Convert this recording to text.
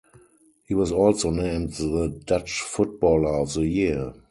He was also named the Dutch Footballer of the Year.